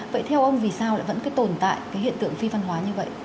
vậy theo ông vì sao lại vẫn cứ tồn tại cái hiện tượng phi văn hóa như vậy